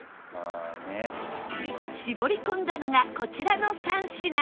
絞り込んだのがこちらの３品